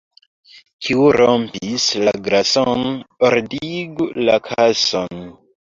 Kiu rompis la glason, ordigu la kason.